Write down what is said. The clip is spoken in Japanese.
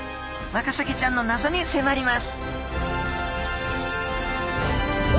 ワカサギちゃんのなぞにせまります